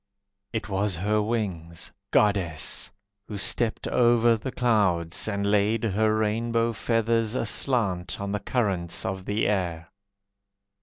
It was her wings, Goddess! Who stepped over the clouds, And laid her rainbow feathers Aslant on the currents of the air.